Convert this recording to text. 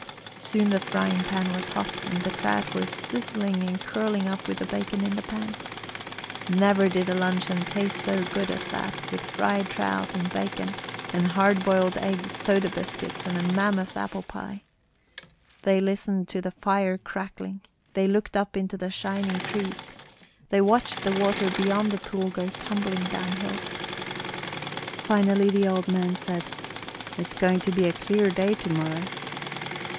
Soon the frying pan was hot, and the trout were sizzling and curling up with the bacon in the pan. Never did a luncheon taste so good as that, with fried trout and bacon, and hard boiled eggs, soda biscuits, and a mammoth apple pie. They listened to the fire crackling; they looked up into the shining trees; they watched the water beyond the pool go tumbling downhill. Finally the old man said, "It's going to be a clear day to morrow."